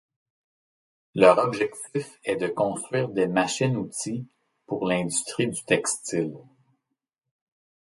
Leur objectif est de construire des machines-outils pour l'industrie du textile.